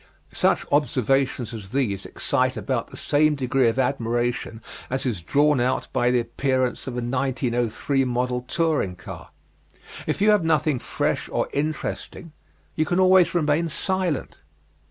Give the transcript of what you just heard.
Such observations as these excite about the same degree of admiration as is drawn out by the appearance of a 1903 model touring car. If you have nothing fresh or interesting you can always remain silent.